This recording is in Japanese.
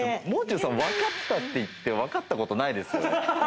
もう中さん、わかったと言ってわかったことないですよね。